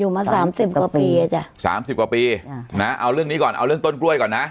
มาสามสิบกว่าปีอ่ะจ้ะสามสิบกว่าปีนะเอาเรื่องนี้ก่อนเอาเรื่องต้นกล้วยก่อนนะ